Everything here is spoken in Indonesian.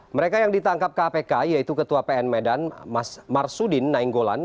mereka yang ditangkap kpk yaitu ketua pn medan mas marsudin nainggolan